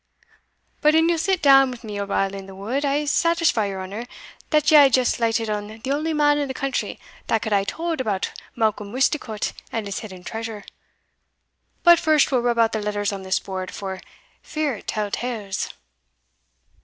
But an ye'll sit down wi' me a while in the wood, I'se satisfy your honour that ye hae just lighted on the only man in the country that could hae tauld about Malcolm Misticot and his hidden treasure But first we'll rub out the letters on this board, for fear it tell tales."